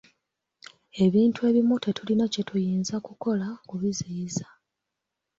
Ebintu ebimu tetulina kyetuyinza kukola kubiziyiza.